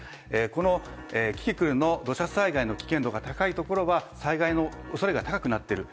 このキキクルの土砂災害の危険度が高いところは災害の恐れが高くなっている。